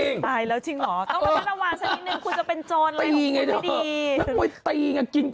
นันนี่ยังนัด